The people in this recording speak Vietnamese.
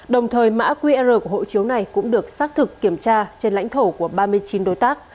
đồng thời mã qr của hộ chiếu này cũng được xác thực kiểm tra trên lãnh thổ của ba mươi chín đối tác